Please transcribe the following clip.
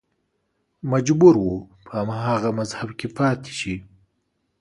مجبور و په هماغه مذهب کې پاتې شي